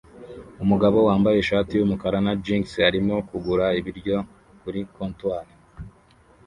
Umugabo wambaye ishati yumukara na jans arimo kugura ibiryo kuri comptoir